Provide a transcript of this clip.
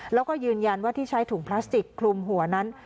แล้วก็ยืนยันว่าที่ใช้ถุงพลาสติกคลุมหัวนั้น